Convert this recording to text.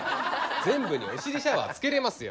全部にお尻シャワー付けれますよ。